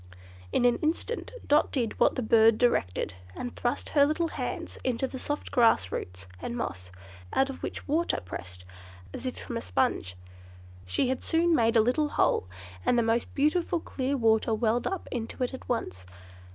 In an instant Dot did what the bird directed, and thrust her little hands into the soft grass roots and moss, out of which water pressed, as if from a sponge. She had soon made a little hole, and the most beautiful clear water welled up into it at once.